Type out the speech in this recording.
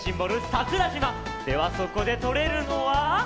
桜島！ではそこでとれるのは。